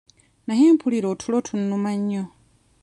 Naye mpulira otulo tunnuma nnyo.